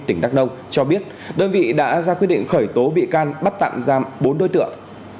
tỉnh đắk nông cho biết đơn vị đã ra quyết định khởi tố bị can bắt tạm giam bốn đối tượng